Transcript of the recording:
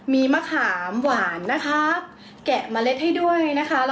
มีมะขามหวานแกะเมล็ดให้ด้วย